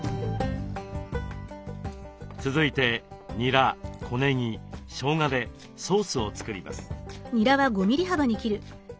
続いてにら小ねぎしょうがでソースを作ります。